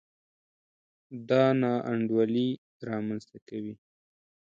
دا نا انډولي رامنځته کوي.